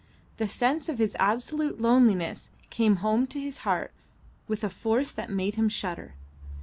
The sense of his absolute loneliness came home to his heart with a force that made him shudder.